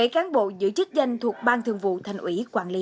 bảy cán bộ giữ chức danh thuộc ban thường vụ thành ủy quản lý